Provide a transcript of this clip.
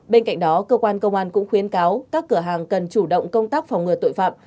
bên cạnh đó cơ quan công an cũng khuyến cáo các cửa hàng cần chủ động công tác phòng ngừa tội phạm